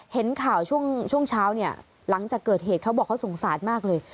เห็นข่าวช่วงเช้าเนี่ยหลังจากเกิดเหตุเขาบอกเขาสงสารมากเลย